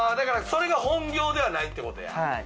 それが本業ではないってことや。